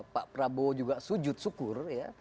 pak prabowo juga sujud syukur ya